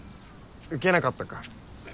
うけなかったか。